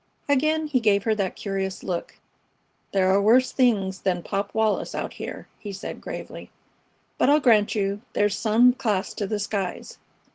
Again he gave her that curious look. "There are worse things than Pop Wallis out here," he said, gravely. "But I'll grant you there's some class to the skies.